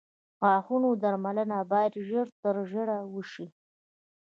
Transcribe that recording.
د غاښونو درملنه باید ژر تر ژره وشي.